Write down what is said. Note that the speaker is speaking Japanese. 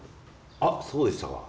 あっそうでしたか。